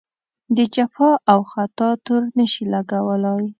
د جفا او خطا تور نه شي لګولای.